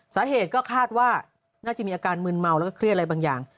สาเหตุก็คาดว่าน่าจะมีอาการมืนเมาแล้วก็เครียดอะไรบางอย่าง